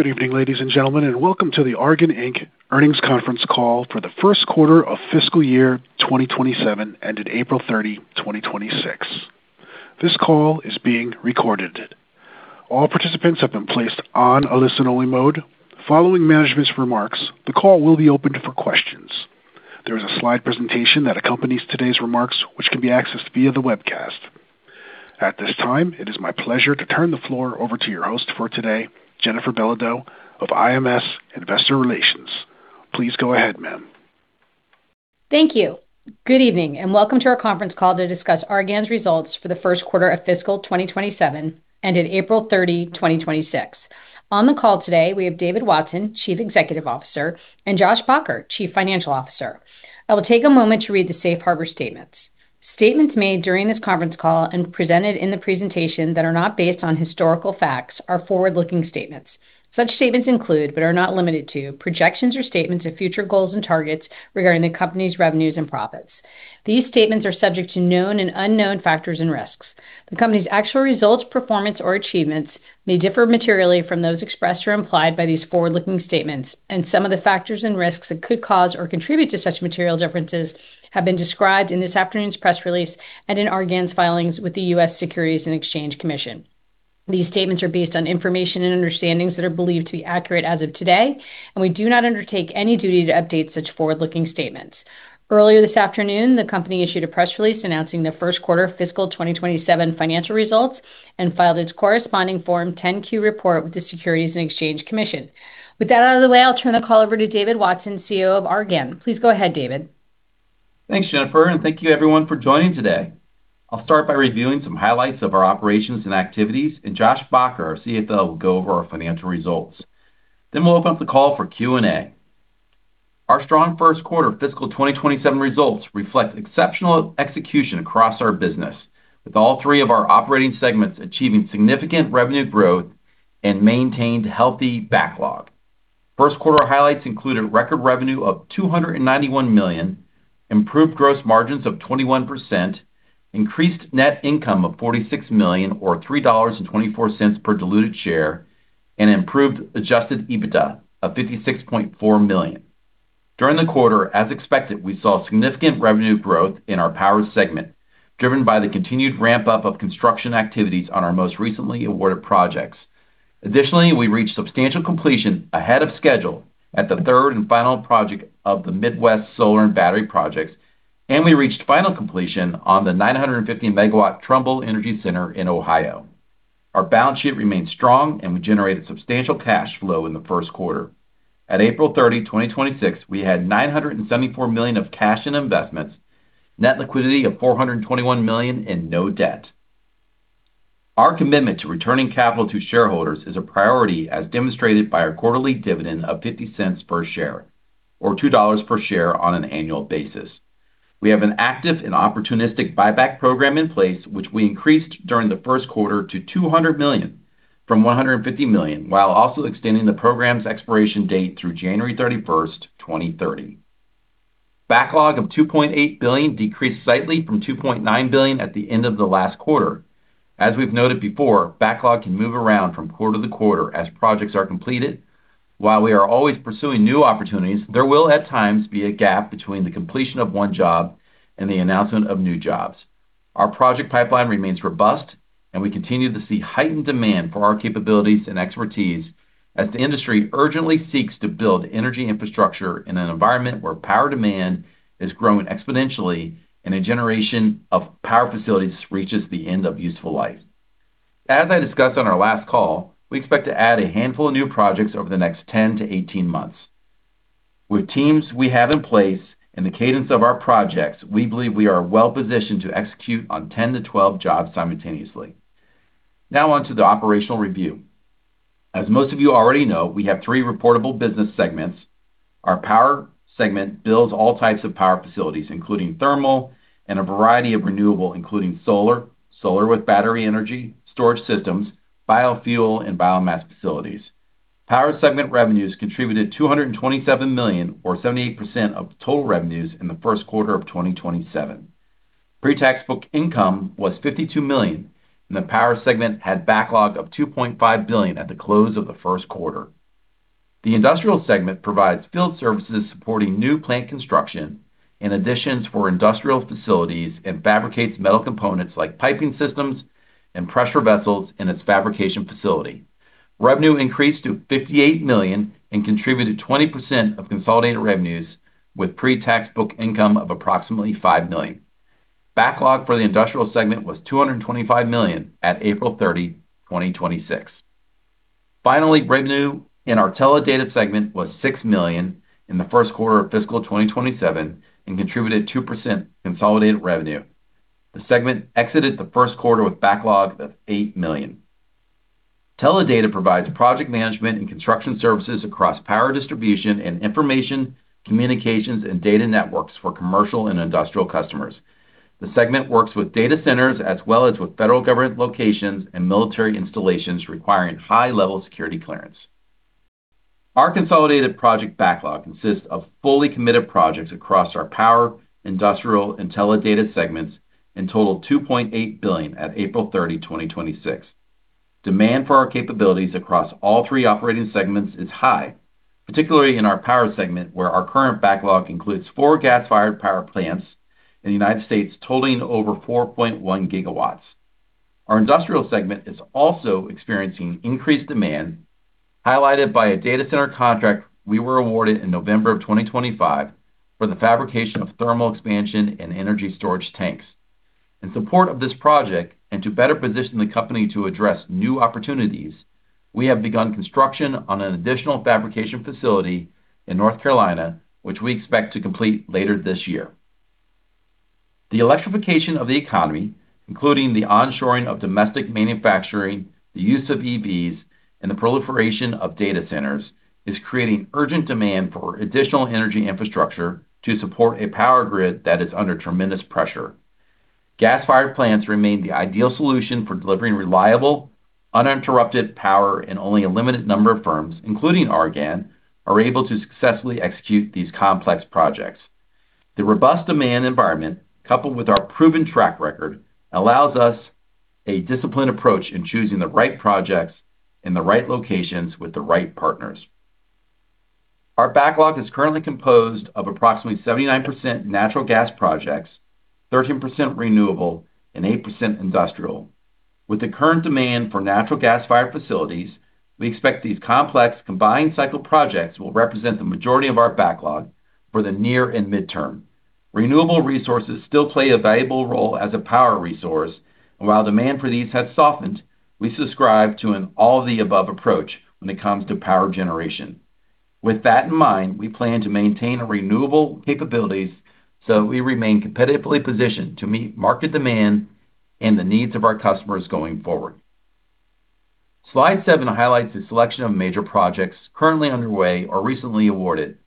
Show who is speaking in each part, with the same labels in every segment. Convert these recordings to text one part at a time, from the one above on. Speaker 1: Good evening, ladies and gentlemen, and welcome to the Argan, Inc. earnings conference call for the first quarter of fiscal year 2027, ended April 30, 2026. This call is being recorded. All participants have been placed on a listen-only mode. Following management's remarks, the call will be opened for questions. There is a slide presentation that accompanies today's remarks, which can be accessed via the webcast. At this time, it is my pleasure to turn the floor over to your host for today, Jennifer Belodeau of IMS Investor Relations. Please go ahead, ma'am.
Speaker 2: Thank you. Good evening, and welcome to our conference call to discuss Argan's results for the first quarter of fiscal 2027, ended April 30, 2026. On the call today, we have David Watson, Chief Executive Officer, and Josh Baugher, Chief Financial Officer. I will take a moment to read the safe harbor statements. Statements made during this conference call and presented in the presentation that are not based on historical facts are forward-looking statements. Such statements include, but are not limited to, projections or statements of future goals and targets regarding the company's revenues and profits. These statements are subject to known and unknown factors and risks. The company's actual results, performance, or achievements may differ materially from those expressed or implied by these forward-looking statements, and some of the factors and risks that could cause or contribute to such material differences have been described in this afternoon's press release and in Argan's filings with the U.S. Securities and Exchange Commission. These statements are based on information and understandings that are believed to be accurate as of today, and we do not undertake any duty to update such forward-looking statements. Earlier this afternoon, the company issued a press release announcing the first quarter fiscal 2027 financial results and filed its corresponding Form 10-Q report with the Securities and Exchange Commission. With that out of the way, I'll turn the call over to David Watson, CEO of Argan. Please go ahead, David.
Speaker 3: Thanks, Jennifer, and thank you everyone for joining today. I'll start by reviewing some highlights of our operations and activities, and Josh Baugher, our CFO, will go over our financial results. We'll open up the call for Q&A. Our strong first quarter fiscal 2027 results reflect exceptional execution across our business, with all three of our operating segments achieving significant revenue growth and maintained healthy backlog. First quarter highlights included record revenue of $291 million, improved gross margins of 21%, increased net income of $46 million, or $3.24 per diluted share, and improved adjusted EBITDA of $56.4 million. During the quarter, as expected, we saw significant revenue growth in our power segment, driven by the continued ramp-up of construction activities on our most recently awarded projects. Additionally, we reached substantial completion ahead of schedule at the third and final project of the Midwest Solar and Battery projects, and we reached final completion on the 950 MW Trumbull Energy Center in Ohio. Our balance sheet remained strong, and we generated substantial cash flow in the first quarter. At April 30, 2026, we had $974 million of cash and investments, net liquidity of $421 million, and no debt. Our commitment to returning capital to shareholders is a priority, as demonstrated by our quarterly dividend of $0.50 per share or $2 per share on an annual basis. We have an active and opportunistic buyback program in place, which we increased during the first quarter to $200 million from $150 million, while also extending the program's expiration date through January 31st, 2030. Backlog of $2.8 billion decreased slightly from $2.9 billion at the end of the last quarter. As we've noted before, backlog can move around from quarter to quarter as projects are completed. While we are always pursuing new opportunities, there will at times be a gap between the completion of one job and the announcement of new jobs. Our project pipeline remains robust, and we continue to see heightened demand for our capabilities and expertise as the industry urgently seeks to build energy infrastructure in an environment where power demand is growing exponentially and a generation of power facilities reaches the end of useful life. As I discussed on our last call, we expect to add a handful of new projects over the next 10-18 months. With teams we have in place and the cadence of our projects, we believe we are well positioned to execute on 10-12 jobs simultaneously. Now on to the operational review. As most of you already know, we have three reportable business segments. Our power segment builds all types of power facilities, including thermal and a variety of renewable, including solar with battery energy storage systems, biofuel, and biomass facilities. Power segment revenues contributed $227 million, or 78% of total revenues in the first quarter of 2027. Pre-tax book income was $52 million, and the power segment had backlog of $2.5 billion at the close of the first quarter. The industrial segment provides field services supporting new plant construction and additions for industrial facilities and fabricates metal components like piping systems and pressure vessels in its fabrication facility. Revenue increased to $58 million and contributed 20% of consolidated revenues, with pre-tax book income of approximately $5 million. Backlog for the industrial segment was $225 million at April 30, 2026. Finally, revenue in our teledata segment was $6 million in the first quarter of fiscal 2027 and contributed 2% consolidated revenue. The segment exited the first quarter with backlog of $8 million. Teledata provides project management and construction services across power distribution and information, communications, and data networks for commercial and industrial customers. The segment works with data centers as well as with federal government locations and military installations requiring high-level security clearance. Our consolidated project backlog consists of fully committed projects across our power, industrial, and teledata segments and total $2.8 billion at April 30, 2026. Demand for our capabilities across all three operating segments is high, particularly in our power segment, where our current backlog includes four gas-fired power plants in the United States totaling over 4.1 GW. Our industrial segment is also experiencing increased demand, highlighted by a data center contract we were awarded in November of 2025 for the fabrication of thermal expansion and energy storage tanks. In support of this project, and to better position the company to address new opportunities, we have begun construction on an additional fabrication facility in North Carolina, which we expect to complete later this year. The electrification of the economy, including the onshoring of domestic manufacturing, the use of EVs, and the proliferation of data centers, is creating urgent demand for additional energy infrastructure to support a power grid that is under tremendous pressure. Gas-fired plants remain the ideal solution for delivering reliable, uninterrupted power, and only a limited number of firms, including Argan, are able to successfully execute these complex projects. The robust demand environment, coupled with our proven track record, allows us a disciplined approach in choosing the right projects in the right locations with the right partners. Our backlog is currently composed of approximately 79% natural gas projects, 13% renewable, and 8% industrial. With the current demand for natural gas-fired facilities, we expect these complex combined cycle projects will represent the majority of our backlog for the near and midterm. Renewable resources still play a valuable role as a power resource, and while demand for these has softened, we subscribe to an all-of-the-above approach when it comes to power generation. With that in mind, we plan to maintain renewable capabilities so that we remain competitively positioned to meet market demand and the needs of our customers going forward. Slide seven highlights the selection of major projects currently underway or recently awarded.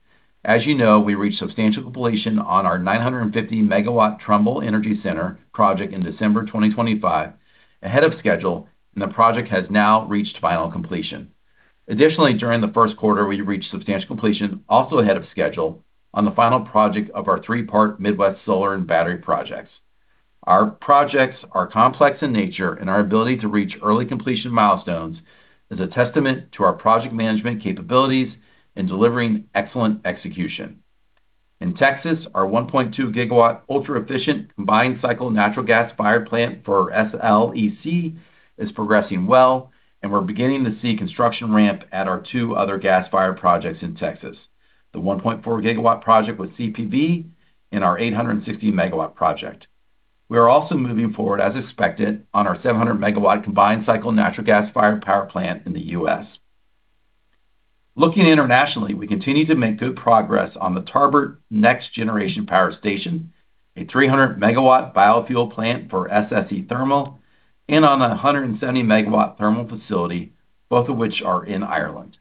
Speaker 3: As you know, we reached substantial completion on our 950 MW Trumbull Energy Center project in December 2025, ahead of schedule, and the project has now reached final completion. Additionally, during the first quarter, we reached substantial completion, also ahead of schedule, on the final project of our three-part Midwest Solar and Battery projects. Our projects are complex in nature, and our ability to reach early completion milestones is a testament to our project management capabilities in delivering excellent execution. In Texas, our 1.2 GW ultra-efficient combined cycle natural gas-fired plant for SLEC is progressing well, and we're beginning to see construction ramp at our two other gas-fired projects in Texas, the 1.4 GW project with CPV and our 860 MW project. We are also moving forward as expected on our 700 MW combined cycle natural gas-fired power plant in the U.S. Looking internationally, we continue to make good progress on the Tarbert Next Generation Power Station, a 300 MW biofuel plant for SSE Thermal, and on a 170 MW thermal facility, both of which are in Ireland.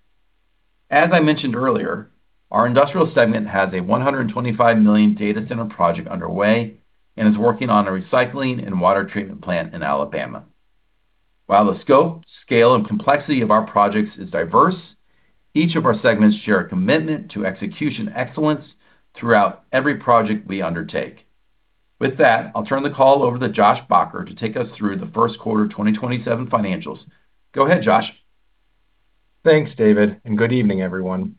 Speaker 3: As I mentioned earlier, our industrial segment has a $125 million data center project underway and is working on a recycling and water treatment plant in Alabama. While the scope, scale, and complexity of our projects is diverse, each of our segments share a commitment to execution excellence throughout every project we undertake. With that, I'll turn the call over to Josh Baugher to take us through the first quarter 2027 financials. Go ahead, Josh.
Speaker 4: Thanks, David, and good evening, everyone.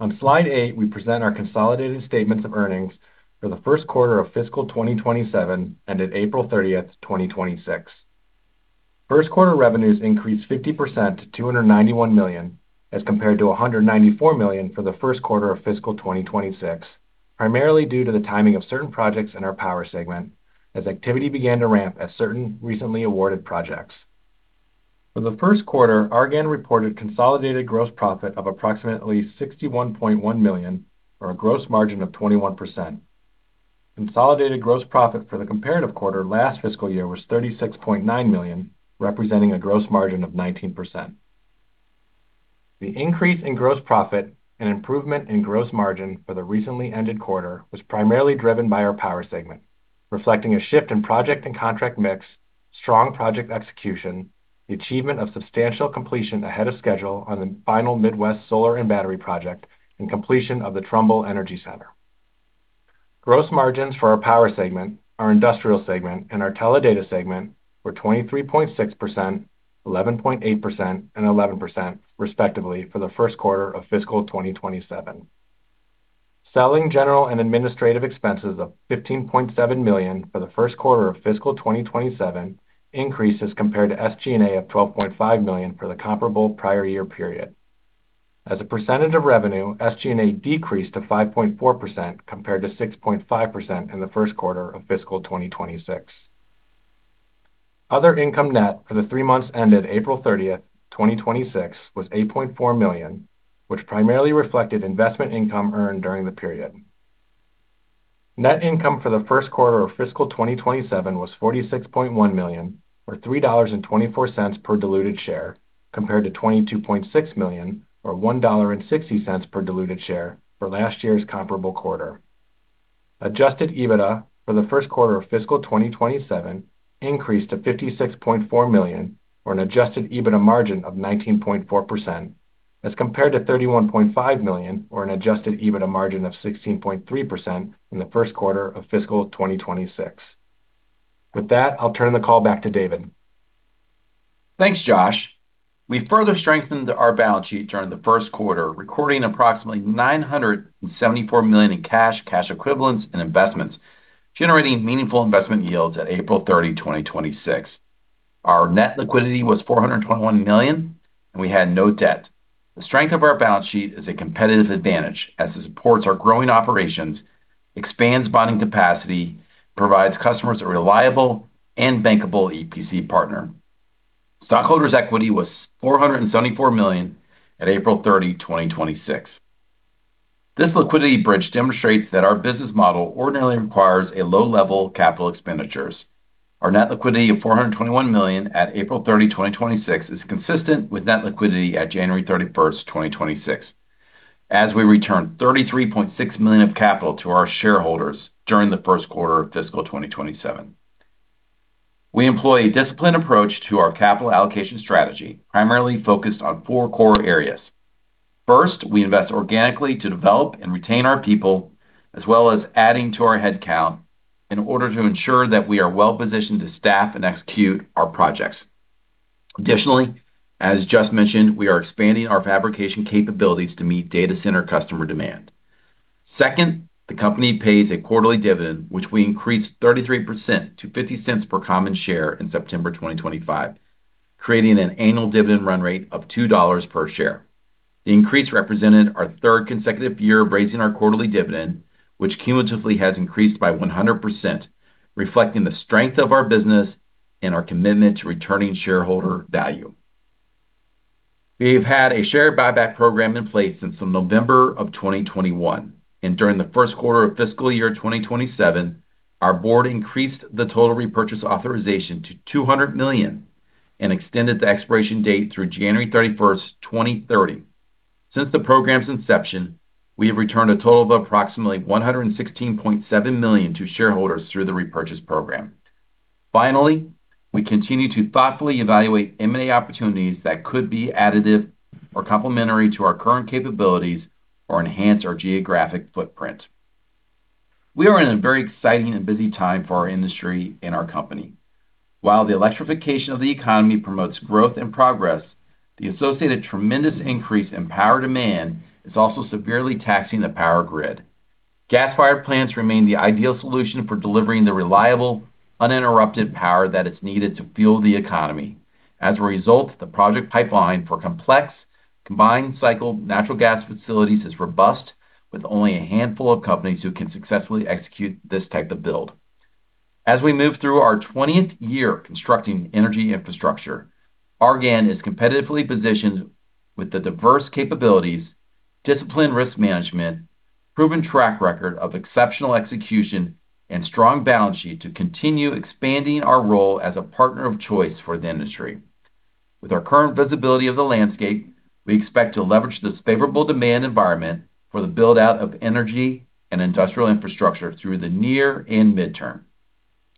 Speaker 4: On slide eight, we present our consolidated statements of earnings for the first quarter of fiscal 2027 ended April 30th, 2026. First quarter revenues increased 50% to $291 million as compared to $194 million for the first quarter of fiscal 2026, primarily due to the timing of certain projects in our power segment as activity began to ramp at certain recently awarded projects. For the first quarter, Argan reported consolidated gross profit of approximately $61.1 million, or a gross margin of 21%. Consolidated gross profit for the comparative quarter last fiscal year was $36.9 million, representing a gross margin of 19%. The increase in gross profit and improvement in gross margin for the recently ended quarter was primarily driven by our power segment, reflecting a shift in project and contract mix, strong project execution, the achievement of substantial completion ahead of schedule on the final Midwest Solar and Battery Project, and completion of the Trumbull Energy Center. Gross margins for our power segment, our industrial segment, and our teledata segment were 23.6%, 11.8%, and 11%, respectively, for the first quarter of fiscal 2027. Selling, general, and administrative expenses of $15.7 million for the first quarter of fiscal 2027 increases compared to SG&A of $12.5 million for the comparable prior year period. As a percentage of revenue, SG&A decreased to 5.4% compared to 6.5% in the first quarter of fiscal 2026. Other income net for the three months ended April 30th, 2026, was $8.4 million, which primarily reflected investment income earned during the period. Net income for the first quarter of fiscal 2027 was $46.1 million, or $3.24 per diluted share, compared to $22.6 million or $1.60 per diluted share for last year's comparable quarter. Adjusted EBITDA for the first quarter of fiscal 2027 increased to $56.4 million, or an adjusted EBITDA margin of 19.4%, as compared to $31.5 million, or an adjusted EBITDA margin of 16.3% in the first quarter of fiscal 2026. With that, I'll turn the call back to David.
Speaker 3: Thanks, Josh. We further strengthened our balance sheet during the first quarter, recording approximately $974 million in cash equivalents, and investments, generating meaningful investment yields at April 30, 2026. Our net liquidity was $421 million, and we had no debt. The strength of our balance sheet is a competitive advantage as it supports our growing operations, expands bonding capacity, provides customers a reliable and bankable EPC partner. Stockholders' equity was $474 million at April 30, 2026. This liquidity bridge demonstrates that our business model ordinarily requires a low-level capital expenditures. Our net liquidity of $421 million at April 30, 2026, is consistent with net liquidity at January 31st, 2026, as we returned $33.6 million of capital to our shareholders during the first quarter of fiscal 2027. We employ a disciplined approach to our capital allocation strategy, primarily focused on four core areas. First, we invest organically to develop and retain our people, as well as adding to our headcount in order to ensure that we are well-positioned to staff and execute our projects. Additionally, as just mentioned, we are expanding our fabrication capabilities to meet data center customer demand. Second, the company pays a quarterly dividend, which we increased 33% to $0.50 per common share in September 2025, creating an annual dividend run rate of $2 per share. The increase represented our third consecutive year of raising our quarterly dividend, which cumulatively has increased by 100%, reflecting the strength of our business and our commitment to returning shareholder value. We've had a share buyback program in place since November of 2021, and during the first quarter of fiscal year 2027, our board increased the total repurchase authorization to $200 million and extended the expiration date through January 31st, 2030. Since the program's inception, we have returned a total of approximately $116.7 million to shareholders through the repurchase program. Finally, we continue to thoughtfully evaluate M&A opportunities that could be additive or complementary to our current capabilities or enhance our geographic footprint. We are in a very exciting and busy time for our industry and our company. While the electrification of the economy promotes growth and progress, the associated tremendous increase in power demand is also severely taxing the power grid. Gas-fired plants remain the ideal solution for delivering the reliable, uninterrupted power that is needed to fuel the economy. As a result, the project pipeline for complex combined cycle natural gas facilities is robust, with only a handful of companies who can successfully execute this type of build. As we move through our 20th year constructing energy infrastructure, Argan is competitively positioned with the diverse capabilities, disciplined risk management, proven track record of exceptional execution, and strong balance sheet to continue expanding our role as a partner of choice for the industry. With our current visibility of the landscape, we expect to leverage this favorable demand environment for the build-out of energy and industrial infrastructure through the near and midterm.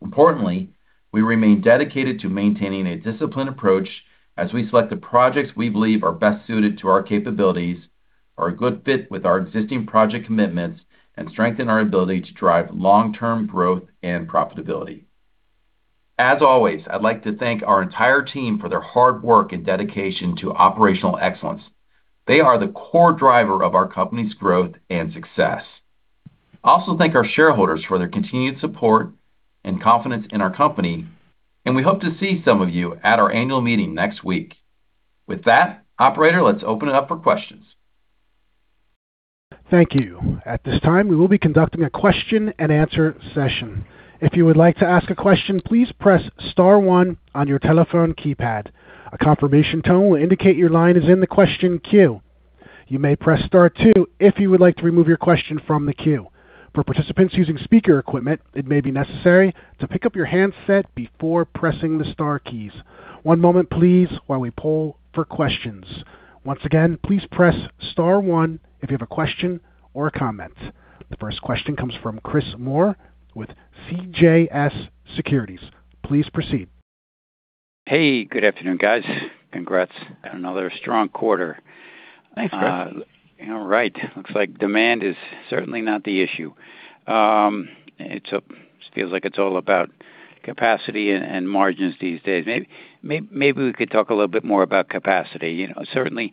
Speaker 3: Importantly, we remain dedicated to maintaining a disciplined approach as we select the projects we believe are best suited to our capabilities, are a good fit with our existing project commitments, and strengthen our ability to drive long-term growth and profitability. As always, I'd like to thank our entire team for their hard work and dedication to operational excellence. They are the core driver of our company's growth and success. I also thank our shareholders for their continued support and confidence in our company, and we hope to see some of you at our annual meeting next week. With that, operator, let's open it up for questions.
Speaker 1: Thank you. At this time, we will be conducting a question and answer session. If you would like to ask a question, please press star one on your telephone keypad. A confirmation tone will indicate your line is in the question queue. You may press star two if you would like to remove your question from the queue. For participants using speaker equipment, it may be necessary to pick up your handset before pressing the star keys. One moment, please, while we poll for questions. Once again, please press star one if you have a question or a comment. The first question comes from Chris Moore with CJS Securities. Please proceed.
Speaker 5: Hey, good afternoon, guys. Congrats on another strong quarter.
Speaker 3: Thanks, Chris.
Speaker 5: All right. Looks like demand is certainly not the issue. It feels like it's all about capacity and margins these days. Maybe we could talk a little bit more about capacity. Certainly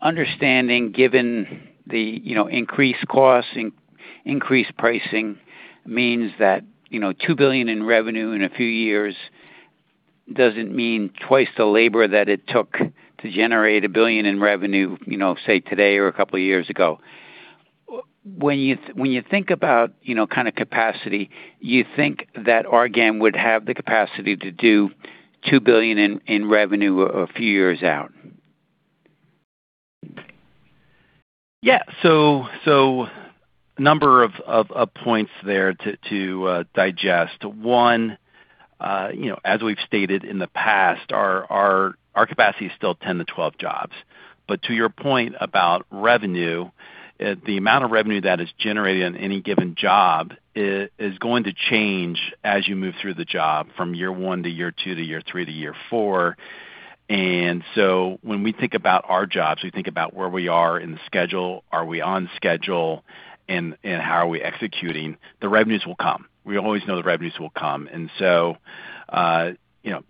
Speaker 5: understanding, given the increased costs, increased pricing means that $2 billion in revenue in a few years doesn't mean twice the labor that it took to generate $1 billion in revenue, say, today or two years ago. When you think about capacity, you think that Argan would have the capacity to do $2 billion in revenue a few years out?
Speaker 3: Yeah. A number of points there to digest. One As we've stated in the past, our capacity is still 10 to 12 jobs. To your point about revenue, the amount of revenue that is generated on any given job is going to change as you move through the job from year one to year two to year three to year four. When we think about our jobs, we think about where we are in the schedule, are we on schedule and how are we executing? The revenues will come. We always know the revenues will come.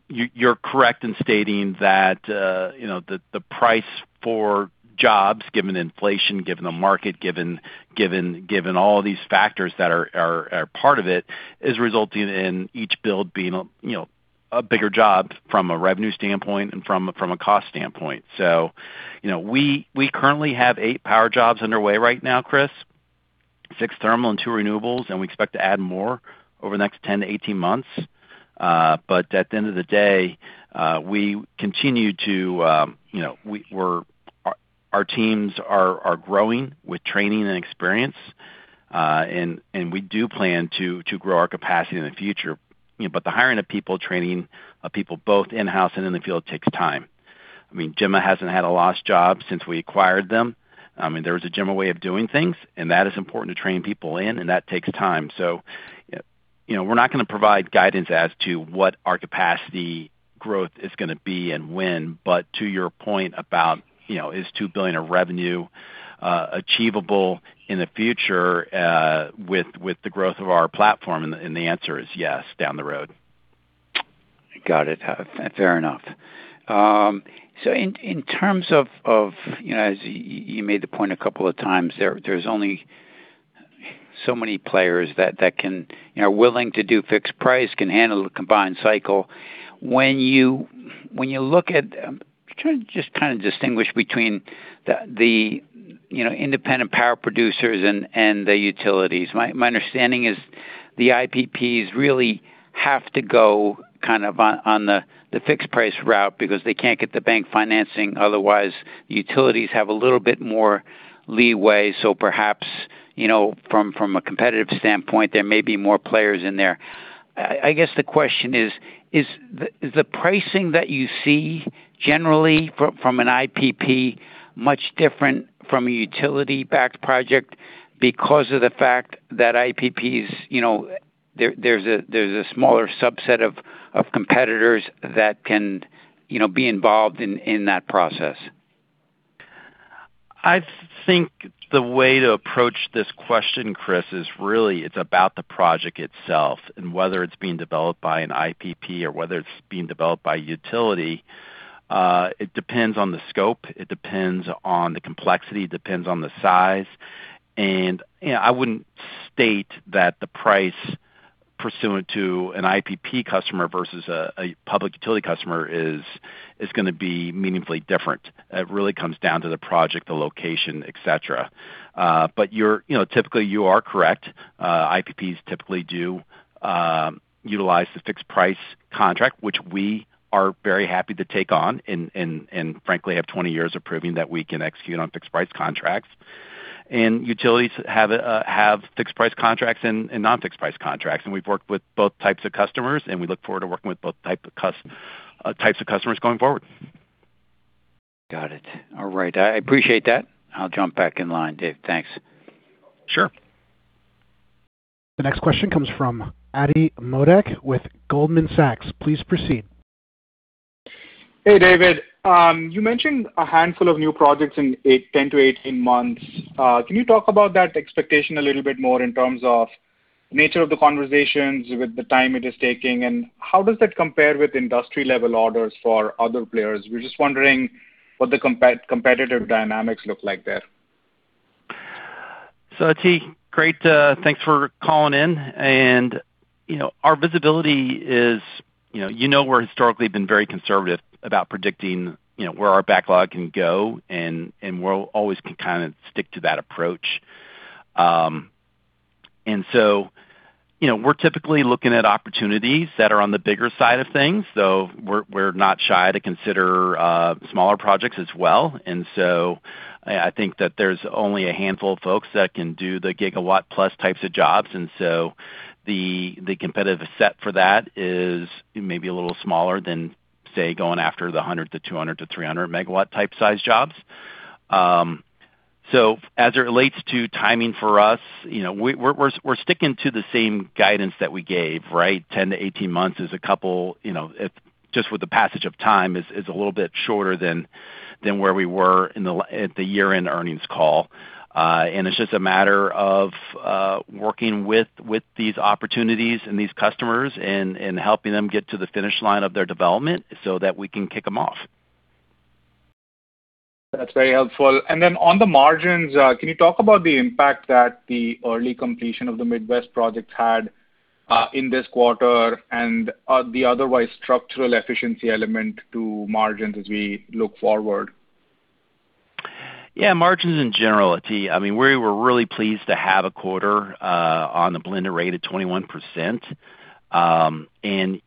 Speaker 3: You're correct in stating that the price for jobs, given inflation, given the market, given all these factors that are part of it, is resulting in each build being a bigger job from a revenue standpoint and from a cost standpoint. We currently have eight power jobs underway right now, Chris, six thermal and two renewables, and we expect to add more over the next 10 to 18 months. At the end of the day, our teams are growing with training and experience. We do plan to grow our capacity in the future, but the hiring of people, training of people, both in-house and in the field takes time. Gemma hasn't had a loss job since we acquired them. There was a Gemma way of doing things, and that is important to train people in, and that takes time. We're not going to provide guidance as to what our capacity growth is going to be and when, but to your point about is $2 billion of revenue achievable in the future with the growth of our platform? The answer is yes, down the road.
Speaker 5: Got it. Fair enough. In terms of, as you made the point a couple of times, there's only so many players that are willing to do fixed price, can handle the combined cycle. I'm trying to just distinguish between the independent power producers and the utilities. My understanding is the IPPs really have to go on the fixed price route because they can't get the bank financing otherwise. Utilities have a little bit more leeway, so perhaps, from a competitive standpoint, there may be more players in there. I guess the question is the pricing that you see generally from an IPP much different from a utility-backed project because of the fact that IPPs, there's a smaller subset of competitors that can be involved in that process?
Speaker 3: I think the way to approach this question, Chris, is really it's about the project itself and whether it's being developed by an IPP or whether it's being developed by a utility. It depends on the scope, it depends on the complexity, it depends on the size. I wouldn't state that the price pursuant to an IPP customer versus a public utility customer is going to be meaningfully different. It really comes down to the project, the location, et cetera. Typically you are correct. IPPs typically do utilize the fixed price contract, which we are very happy to take on and frankly have 20 years of proving that we can execute on fixed price contracts. Utilities have fixed price contracts and non-fixed price contracts, and we've worked with both types of customers, and we look forward to working with both types of customers going forward.
Speaker 5: Got it. All right. I appreciate that. I'll jump back in line, Dave. Thanks.
Speaker 3: Sure.
Speaker 1: The next question comes from Ati Modak with Goldman Sachs. Please proceed.
Speaker 6: Hey, David. You mentioned a handful of new projects in 10 to 18 months. Can you talk about that expectation a little bit more in terms of nature of the conversations with the time it is taking, and how does that compare with industry level orders for other players? We're just wondering what the competitive dynamics look like there.
Speaker 3: Ati, great. Thanks for calling in. Our visibility is-- you know we've historically been very conservative about predicting where our backlog can go, and we always can kind of stick to that approach. We're typically looking at opportunities that are on the bigger side of things, though we're not shy to consider smaller projects as well. I think that there's only a handful of folks that can do the gigawatt plus types of jobs, the competitive set for that is maybe a little smaller than, say, going after the 100 to 200 to 300 MW type size jobs. As it relates to timing for us, we're sticking to the same guidance that we gave, right? 10-18 months Just with the passage of time is a little bit shorter than where we were at the year-end earnings call. It's just a matter of working with these opportunities and these customers and helping them get to the finish line of their development so that we can kick them off.
Speaker 6: That's very helpful. On the margins, can you talk about the impact that the early completion of the Midwest projects had in this quarter and the otherwise structural efficiency element to margins as we look forward?
Speaker 3: Yeah, margins in general, Ati. We were really pleased to have a quarter on the blended rate of 21%.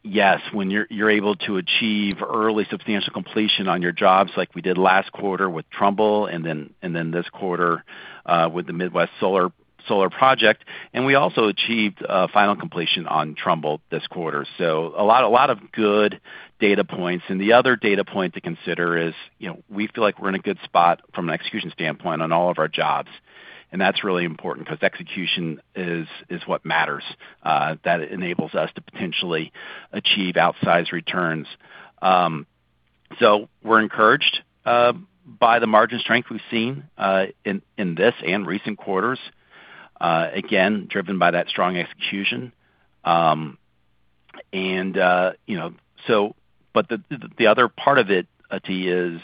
Speaker 3: Yes, when you're able to achieve early substantial completion on your jobs, like we did last quarter with Trumbull and then this quarter with the Midwest Solar project. We also achieved final completion on Trumbull this quarter. A lot of good data points. The other data point to consider is, we feel like we're in a good spot from an execution standpoint on all of our jobs, and that's really important because execution is what matters. That enables us to potentially achieve outsized returns. We're encouraged by the margin strength we've seen in this and recent quarters, again, driven by that strong execution. The other part of it, Ati, is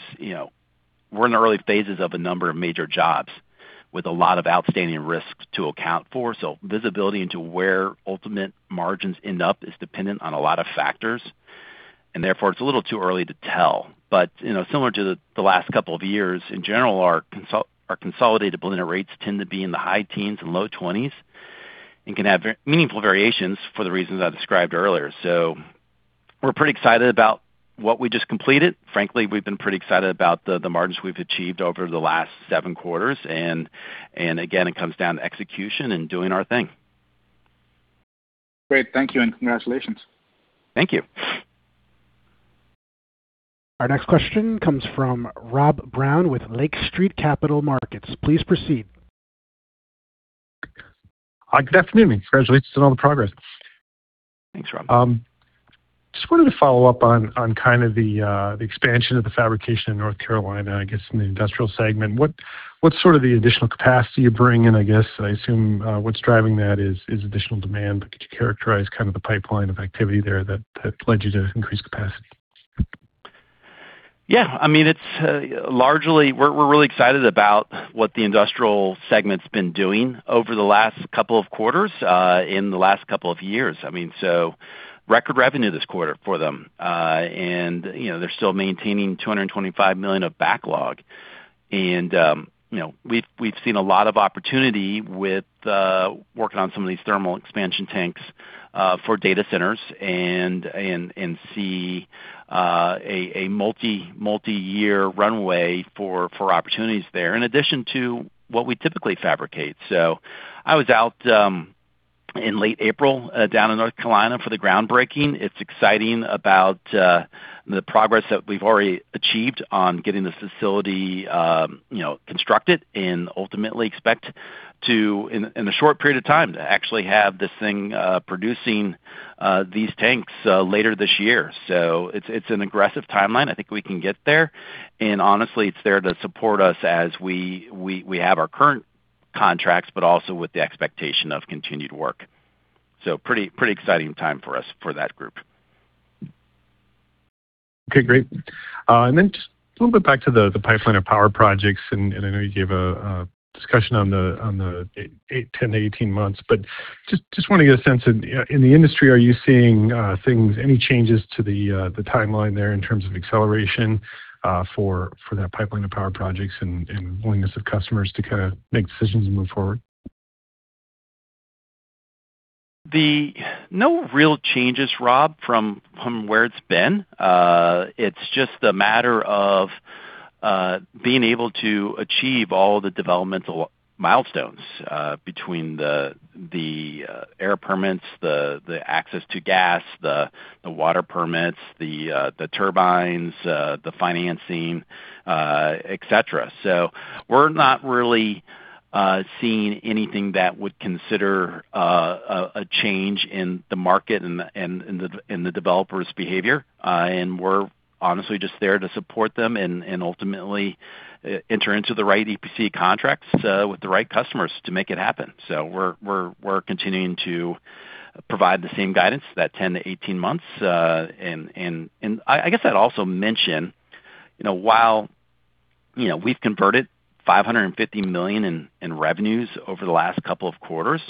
Speaker 3: we're in the early phases of a number of major jobs with a lot of outstanding risks to account for. Visibility into where ultimate margins end up is dependent on a lot of factors, and therefore it's a little too early to tell. Similar to the last couple of years, in general, our consolidated blended rates tend to be in the high teens and low 20s and can have meaningful variations for the reasons I described earlier. We're pretty excited about what we just completed. Frankly, we've been pretty excited about the margins we've achieved over the last seven quarters, and again, it comes down to execution and doing our thing.
Speaker 6: Great. Thank you, and congratulations.
Speaker 3: Thank you.
Speaker 1: Our next question comes from Rob Brown with Lake Street Capital Markets. Please proceed.
Speaker 7: Good afternoon. Congratulations on all the progress.
Speaker 3: Thanks, Rob.
Speaker 7: Just wanted to follow up on kind of the expansion of the fabrication in North Carolina, I guess in the industrial segment. What's sort of the additional capacity you bring in? I guess, I assume, what's driving that is additional demand. Could you characterize kind of the pipeline of activity there that led you to increase capacity?
Speaker 3: Yeah, we're really excited about what the industrial segment's been doing over the last couple of quarters, in the last couple of years. Record revenue this quarter for them. They're still maintaining $225 million of backlog. We've seen a lot of opportunity with working on some of these thermal expansion tanks for data centers and see a multi-year runway for opportunities there, in addition to what we typically fabricate. I was out in late April down in North Carolina for the groundbreaking. It's exciting about the progress that we've already achieved on getting this facility constructed and ultimately expect to, in a short period of time, to actually have this thing producing these tanks later this year. It's an aggressive timeline. I think we can get there. Honestly, it's there to support us as we have our current contracts, but also with the expectation of continued work. Pretty exciting time for us for that group.
Speaker 7: Okay, great. Then just a little bit back to the pipeline of power projects, and I know you gave a discussion on the 10 to 18 months, but just want to get a sense of, in the industry, are you seeing any changes to the timeline there in terms of acceleration for that pipeline of power projects and willingness of customers to kind of make decisions and move forward?
Speaker 3: No real changes, Rob, from where it's been. It's just a matter of being able to achieve all the developmental milestones between the air permits, the access to gas, the water permits, the turbines, the financing, et cetera. We're not really seeing anything that would consider a change in the market and the developer's behavior. We're honestly just there to support them and ultimately enter into the right EPC contracts with the right customers to make it happen. We're continuing to provide the same guidance, that 10 to 18 months. I guess I'd also mention, while we've converted $550 million in revenues over the last couple of quarters,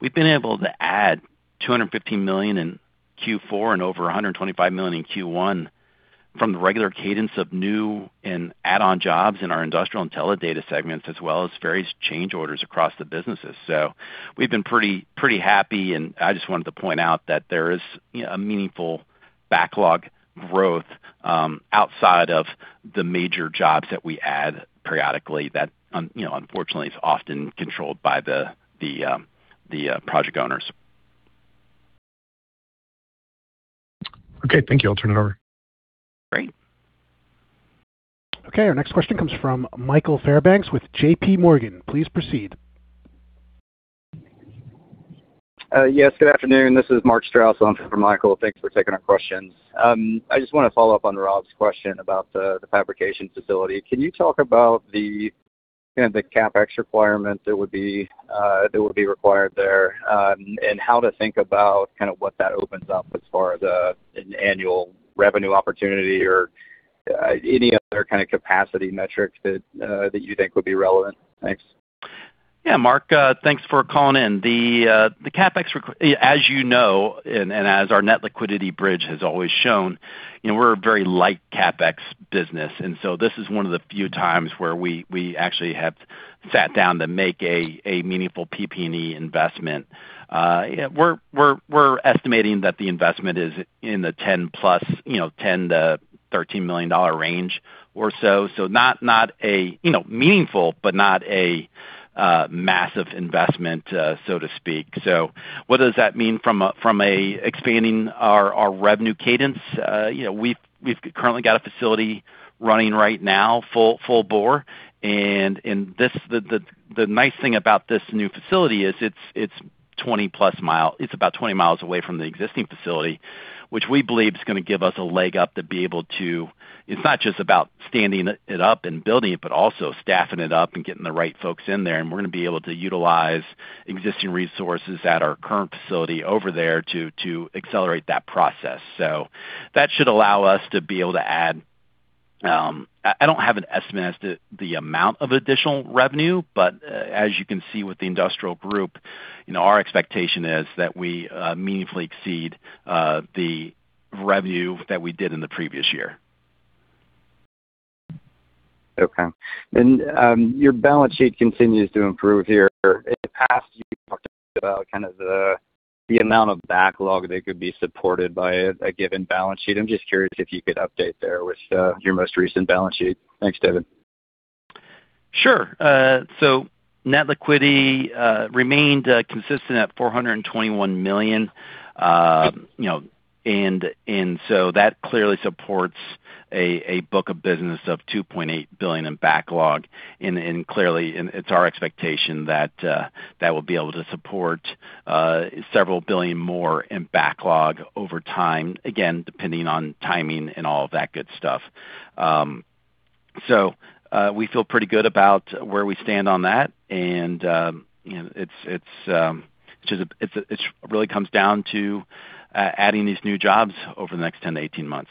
Speaker 3: we've been able to add $215 million in Q4 and over $125 million in Q1 from the regular cadence of new and add-on jobs in our industrial and teledata segments, as well as various change orders across the businesses. We've been pretty happy, and I just wanted to point out that there is a meaningful backlog growth outside of the major jobs that we add periodically that unfortunately is often controlled by the project owners.
Speaker 7: Okay, thank you. I'll turn it over.
Speaker 3: Great.
Speaker 1: Okay, our next question comes from Michael Feniger with JPMorgan. Please proceed.
Speaker 8: Yes, good afternoon. This is Mark Strauss on for Michael. Thanks for taking our questions. I just want to follow up on Rob's question about the fabrication facility. Can you talk about the CapEx requirement that would be required there, and how to think about what that opens up as far as an annual revenue opportunity or any other kind of capacity metrics that you think would be relevant? Thanks.
Speaker 3: Yeah, Mark, thanks for calling in. The CapEx, as you know, and as our net liquidity bridge has always shown, we're a very light CapEx business. This is one of the few times where we actually have sat down to make a meaningful PP&E investment. We're estimating that the investment is in the 10+, $10 million-$13 million range or so. Meaningful, but not a massive investment, so to speak. What does that mean from expanding our revenue cadence? We've currently got a facility running right now, full bore. The nice thing about this new facility is it's about 20 miles away from the existing facility, which we believe is going to give us a leg up. It's not just about standing it up and building it, but also staffing it up and getting the right folks in there, and we're going to be able to utilize existing resources at our current facility over there to accelerate that process. That should allow us to be able to add. I don't have an estimate as to the amount of additional revenue, but as you can see with the industrial group, our expectation is that we meaningfully exceed the revenue that we did in the previous year.
Speaker 8: Okay. Your balance sheet continues to improve here. In the past, you talked about kind of the amount of backlog that could be supported by a given balance sheet. I'm just curious if you could update there with your most recent balance sheet. Thanks, David.
Speaker 3: Sure. Net liquidity remained consistent at $421 million. That clearly supports a book of business of $2.8 billion in backlog, and clearly it's our expectation that that will be able to support several billion more in backlog over time, again, depending on timing and all of that good stuff. We feel pretty good about where we stand on that, and it really comes down to adding these new jobs over the next 10 to 18 months.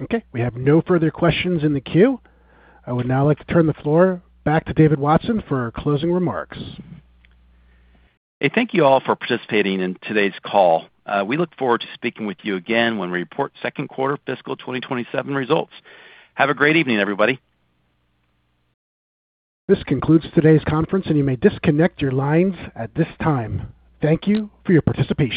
Speaker 1: Okay. We have no further questions in the queue. I would now like to turn the floor back to David Watson for our closing remarks.
Speaker 3: Hey, thank you all for participating in today's call. We look forward to speaking with you again when we report second quarter fiscal 2027 results. Have a great evening, everybody.
Speaker 1: This concludes today's conference, and you may disconnect your lines at this time. Thank you for your participation.